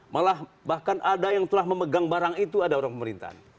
malah bahkan ada yang telah memegang barang itu ada orang pemerintahan